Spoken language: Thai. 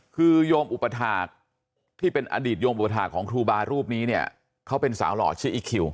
คือโยมอุปถาคที่เป็นอดีตโยมอุปถาคของครูบารูปนี้เนี่ยเขาเป็นสาวหล่อชื่ออีคิว